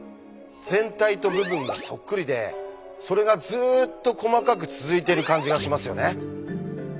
全体と部分がそっくりでそれがずっと細かく続いている感じがしますよね。